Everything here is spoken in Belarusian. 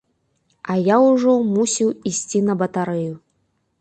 А я ўжо мусіў ісці на батарэю.